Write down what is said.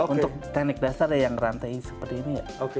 untuk teknik dasar yang rantai seperti ini